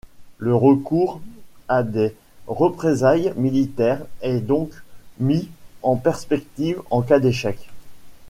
Le recours à des représailles militaires est donc mis en perspective en cas d'échec.